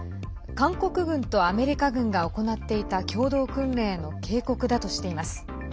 韓国軍とアメリカ軍が行っていた共同訓練への警告だとしています。